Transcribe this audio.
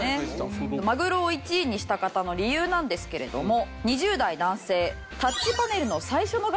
マグロを１位にした方の理由なんですけれども２０代男性。